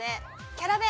キャラ弁。